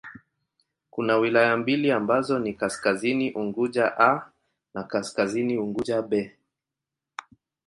Kuna wilaya mbili ambazo ni Kaskazini Unguja 'A' na Kaskazini Unguja 'B'.